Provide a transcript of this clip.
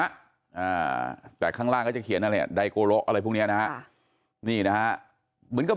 อ่าแต่ข้างล่างก็จะเขียนอะไรอะไรพวกเนี้ยนะฮะนี่นะฮะเหมือนกับ